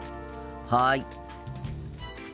はい。